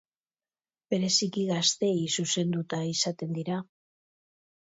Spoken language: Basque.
Bereziki gazteei zuzenduta izaten dira.